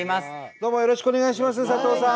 どうもよろしくお願いします佐藤さん。